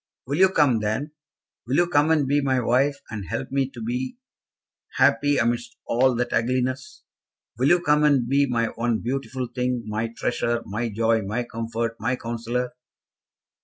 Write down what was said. "Will you come, then? Will you come and be my wife, and help me to be happy amidst all that ugliness? Will you come and be my one beautiful thing, my treasure, my joy, my comfort, my counsellor?"